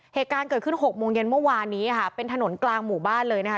เหตุการณ์เกิดขึ้นหกโมงเย็นเมื่อวานนี้ค่ะเป็นถนนกลางหมู่บ้านเลยนะคะ